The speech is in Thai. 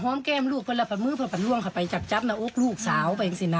โดยลูกค่ะรูป่านรูป่านผ่านไปถึงกลุ่มน้องลูกสาว